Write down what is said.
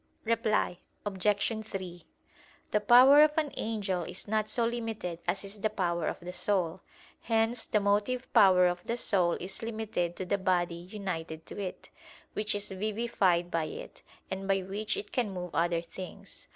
Reply Obj. 3: The power of an angel is not so limited as is the power of the soul. Hence the motive power of the soul is limited to the body united to it, which is vivified by it, and by which it can move other things.